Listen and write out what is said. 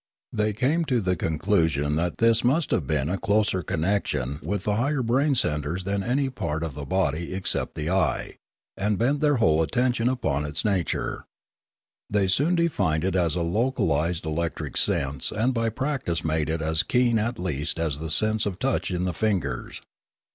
They came to the conclusion that this must have a closer connection with the higher brain centres than any part of the body except the eye, and bent their whole atten tion upon its nature. They soon defined it as a local ised electric sense and by practice made it as keen at least as the sense of touch in the fingers.